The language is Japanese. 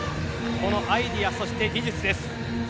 このアイデア、そして技術です。